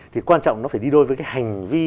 thì quan trọng nó phải đi đôi với cái hành vi